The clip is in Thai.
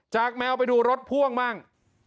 แมวไปดูรถพ่วงบ้าง